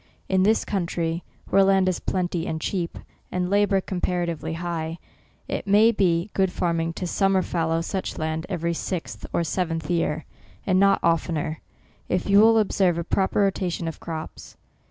In this country, where land is plenty and cheap, and labour compa ratively high, it may be good farming to sum mer fallow such land every sixth or seventh year, and not oftener, if you will observe a proper rotation of crops.